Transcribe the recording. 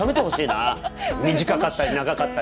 短かったり長かったり。